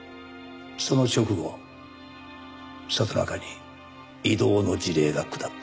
その直後里中に異動の辞令が下った。